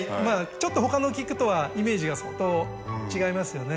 ちょっと他の菊とはイメージが相当違いますよね。